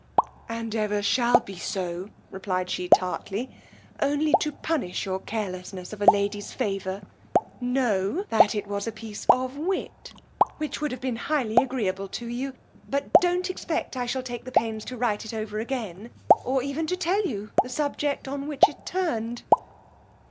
And ever shall be so, replied she tartly, only to punish your carelessness of a lady's favour; know, that it was a piece of wit which would have been highly agreeable to you: but don't expect I shall take the pains to write it over again, or even tell you the subject on which it turned.